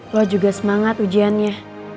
lo juga semangat ujiannya